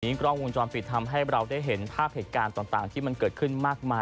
กล้องวงจรปิดทำให้เราได้เห็นภาพเหตุการณ์ต่างที่มันเกิดขึ้นมากมาย